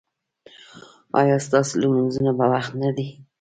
ایا ستاسو لمونځونه په وخت نه دي؟